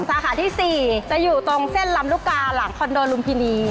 สาขาที่๔จะอยู่ตรงเส้นลำลูกกาหลังคอนโดลุมพินี